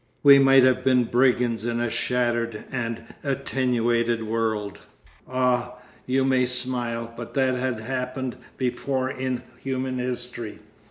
We might have been brigands in a shattered and attenuated world. Ah, you may smile, but that had happened before in human history.